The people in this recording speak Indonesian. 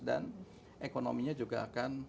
dan ekonominya juga akan